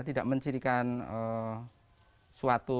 tidak mencirikan suatu hal